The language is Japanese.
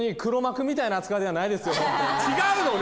違うのね？